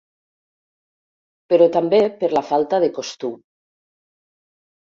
Però també per la falta de costum.